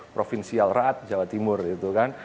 provincial rat jawa timur itu kan